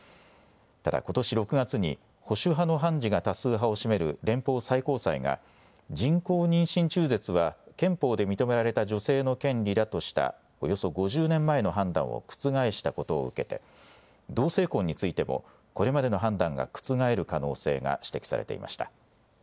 ただ、ことし６月に、保守派の判事が多数派を占める連邦最高裁が、人工妊娠中絶は憲法で認められた女性の権利だとしたおよそ５０年前の判断を覆したことを受けて、同性婚についても、これまでの判断が覆る可能性が指摘されていました。